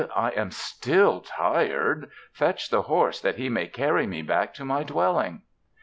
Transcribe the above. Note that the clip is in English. "I am still tired. Fetch the horse that he may carry me back to my dwelling."